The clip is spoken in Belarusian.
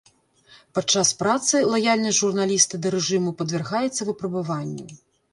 Падчас працы лаяльнасць журналіста да рэжыму падвяргаецца выпрабаванню.